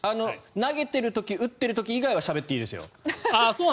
投げている時打っている時以外はしゃべっていいですよ。